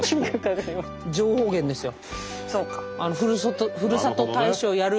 情報源ですよ。